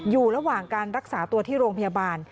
อยู่ระหว่างการรักษาตัวที่โรงพยาบาล